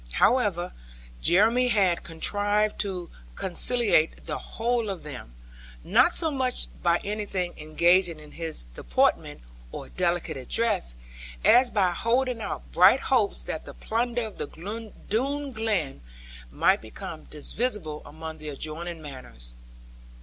However, Jeremy had contrived to conciliate the whole of them, not so much by anything engaging in his deportment or delicate address, as by holding out bright hopes that the plunder of the Doone Glen might become divisible among the adjoining manors.